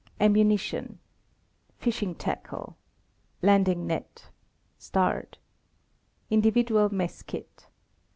Ammunition. Fishing tackle. *Landmg net. Individual mess kit.